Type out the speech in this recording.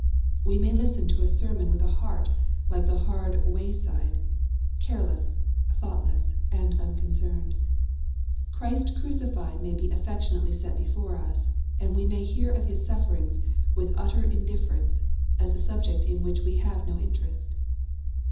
We may listen to a sermon with a heart like the hard "way side," careless, thoughtless, and un.joncerned. Christ crucified may be affectionately set before us, and we may hear of His sufferings with utter indifference, as a subject in which we have no interest.